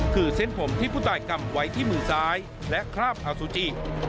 คือเส้นผมที่ผู้ตายกำไว้ที่มือซ้ายและคราบอสุจิ